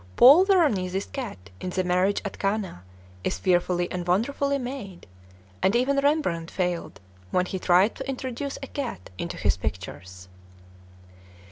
Paul Veronese's cat in "The Marriage at Cana" is fearfully and wonderfully made, and even Rembrandt failed when he tried to introduce a cat into his pictures.